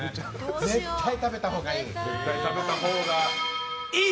絶対食べたほうがいい。